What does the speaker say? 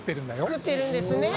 つくってるんですね！